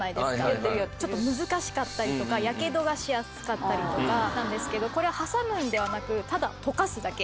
ちょっと難しかったりとかヤケドがしやすかったりとかなんですけどこれは挟むのではなくただとかすだけ。